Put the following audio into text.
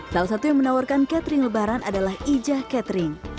salah satu yang menawarkan catering lebaran adalah ijah catering